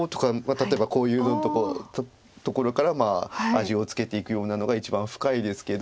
例えばこういうところから味をつけていくようなのが一番深いですけど。